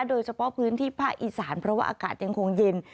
โดยเฉพาะพื้นที่ภาคอีสานเพราะว่าอากาศยังคงเย็น